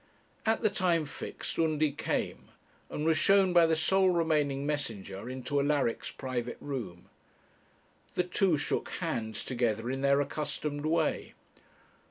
At the time fixed Undy came, and was shown by the sole remaining messenger into Alaric's private room. The two shook hands together in their accustomed way.